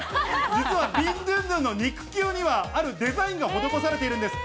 実はビンドゥンドゥンの肉球には、あるデザインが施されているんです。